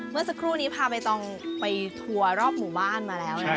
เมื่อกลุ่นนี้พาบ๊ายตองแล้วทัวร์รอบบ้านมานะคะ